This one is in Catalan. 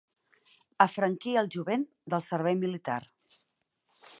Afranquir el jovent del servei militar.